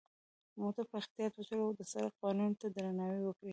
موټر په اختیاط وچلوئ، او د سرک قوانینو ته درناوی وکړئ.